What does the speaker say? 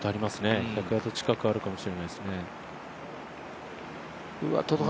１００ヤード近くあるかもしれないですね。